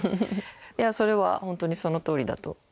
いやそれは本当にそのとおりだと思います。